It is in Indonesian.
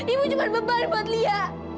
ibu cuma beban buat lia